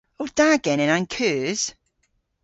O da genen an keus?